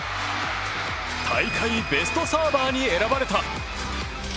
大会ベストサーバーに選ばれた。